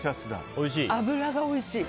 おいしい？